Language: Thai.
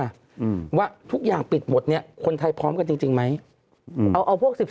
กันว่าทุกอย่างปิดหมดเนี่ยคนไทยพร้อมกันจริงไหมเอาพวก